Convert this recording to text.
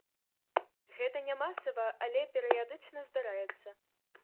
Гэта не масава, але перыядычна здараецца.